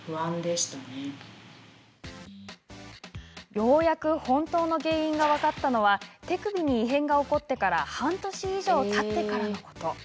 ようやく本当の原因が分かったのは手首に異変が起こってから半年以上たってからのこと。